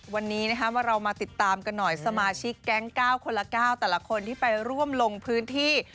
วันนี้ว่าเรามาติดตามกันหน่อยสมาชิกแก๊ง๙คนละ๙แต่ละคนที่ไปร่วมลงพื้นที่